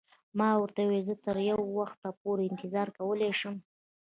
ما ورته وویل: زه تر یو وخته پورې انتظار کولای شم.